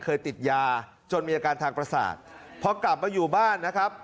เคยติดยาจนมีอาการทางประสาทพอกลับมาอยู่บ้านนะครับ